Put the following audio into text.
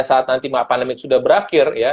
saat nanti pandemi sudah berakhir ya